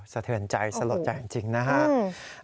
สะเทินใจสะหรับใจจริงนะครับ